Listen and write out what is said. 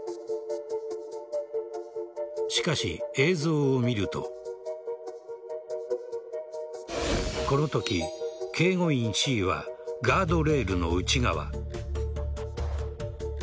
しかし、映像を見るとこのとき警護員Ｃはガードレールの内側。